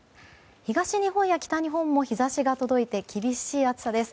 東日本や北日本も日差しが届いて厳しい暑さです。